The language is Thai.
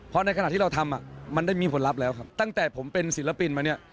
เพราะในขณะที่เราทำมันได้มีผลลัพธ์แล้วครับตั้งแต่ผมเป็นศิลปินมาเนี่ย